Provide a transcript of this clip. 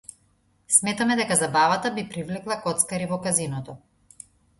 Сметаме дека забавата би привлекла коцкари во казиното.